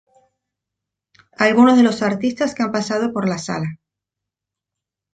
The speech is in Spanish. Algunos de los artistas que han pasado por la Sala.